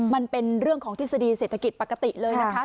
มันเป็นเรื่องของทฤษฎีเศรษฐกิจปกติเลยนะคะ